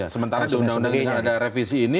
sementara di undang undang yang ada revisi ini